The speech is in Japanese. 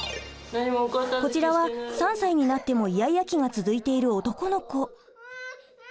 こちらは３歳になってもイヤイヤ期が続いている男の子。